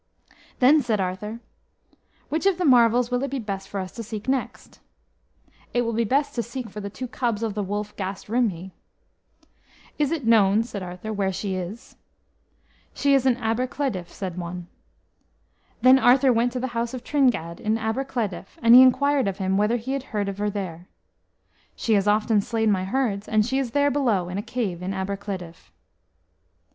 Then said Arthur, "Which of the marvels will it be best for us to seek next?" "It will be best to seek for the two cubs of the wolf Gast Rhymhi." "Is it known," said Arthur, "where she is?" "She is in Aber Cleddyf," said one. Then Arthur went to the house of Tringad, in Aber Cleddyf, and he inquired of him whether he had heard of her there. "She has often slain my herds, and she is there below in a cave in Aber Cleddyf."